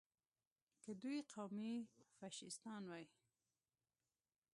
که دوی قومي فشیستان وای.